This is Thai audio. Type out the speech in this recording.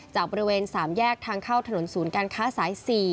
บริเวณ๓แยกทางเข้าถนนศูนย์การค้าสาย๔